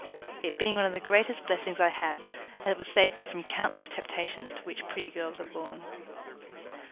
it being one of the greatest blessings I had, as it would save me from countless temptations to which pretty girls are born.